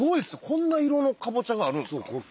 こんな色のかぼちゃがあるんですか。